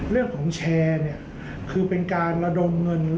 เรื่องของแชร์เนี่ยคือเป็นการระดมเงิน